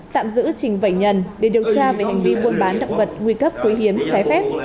tạm giữ trình vảy nhàn để điều tra về hành vi buôn bán động vật nguy cấp quý hiếm trái phép